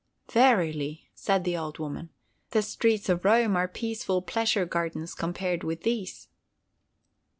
"Verily," said the old woman, "the streets of Rome are peaceful pleasure gardens compared with these!"